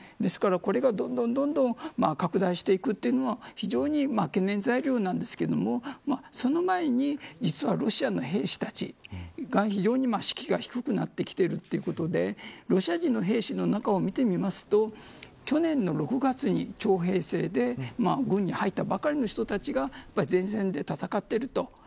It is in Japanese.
ですから、これがどんどん拡大していくというのは非常に懸念材料なんですけれどもその前に実はロシア兵士たちが非常に士気が低くなってるということでロシア人の兵士の中を見てみると去年の６月に徴兵制で軍に入ったばかりの人たちが前線で戦っていると。